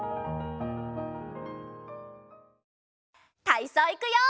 たいそういくよ！